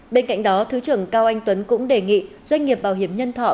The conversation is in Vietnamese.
bên cạnh đó thứ trưởng cao anh tuấn cũng đề nghị doanh nghiệp bảo hiểm nhân thọ